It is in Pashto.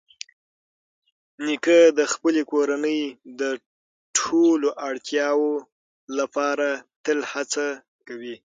نیکه د خپلې کورنۍ د ټولو اړتیاوو لپاره تل هڅه کوي.